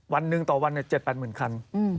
วันหนึ่งต่อวัน๗แปดหมื่นคัน